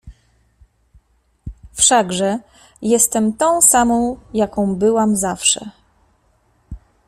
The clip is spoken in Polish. Wszakże jestem tą samą, jaką byłam zawsze.